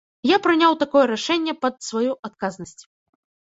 Я прыняў такое рашэнне пад сваю адказнасць.